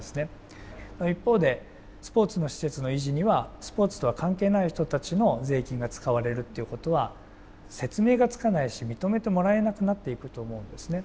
一方でスポーツの施設の維持にはスポーツとは関係ない人たちの税金が使われるっていうことは説明がつかないし認めてもらえなくなっていくと思うんですね。